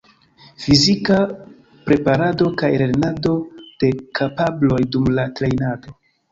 Fizika preparado kaj lernado de kapabloj dum la trejnado.